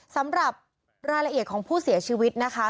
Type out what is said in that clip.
สำหรับรายละเอียดของผู้เสียชีวิตนะคะ